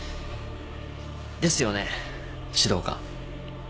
ですよね指導官。